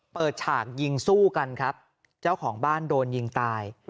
ฉากยิงสู้กันครับเจ้าของบ้านโดนยิงตาย